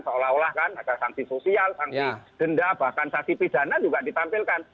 seolah olah kan ada sankti sosial sankti denda bahkan sankti pidana juga ditampilkan